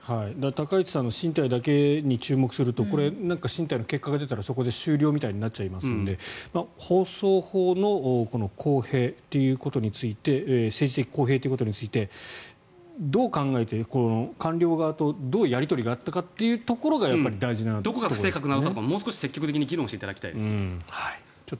高市さんの進退だけに注目すると進退の結果が出たらそこで終了となってしまうので放送法の政治的公平ということについてどう考えて、官僚側とどうやり取りがあったかというところがどこが不正確なのかもうちょっと議論していただきたいです。